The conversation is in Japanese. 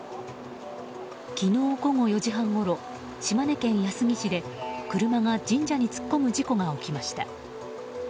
昨日午後４時半ごろ島根県安来市で車が神社に突っ込む事故が起きました。